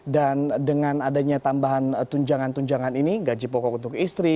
dan dengan adanya tambahan tunjangan tunjangan ini gaji pokok untuk istri